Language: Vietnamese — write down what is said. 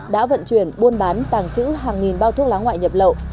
đã vận chuyển buôn bán tàng trữ hàng nghìn bao thuốc lá ngoại nhập lậu